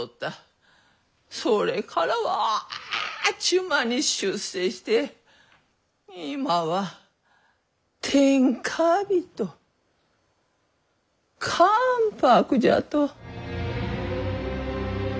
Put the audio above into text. それからはあっちゅう間に出世して今は天下人関白じゃと。